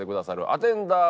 アテンダー？